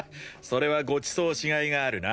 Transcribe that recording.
それはごちそうしがいがあるな。